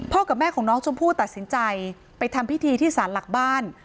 กับแม่ของน้องชมพู่ตัดสินใจไปทำพิธีที่สารหลักบ้าน